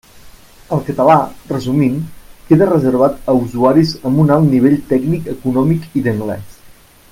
El català, resumint, queda reservat a usuaris amb un alt nivell tècnic, econòmic i d'anglès.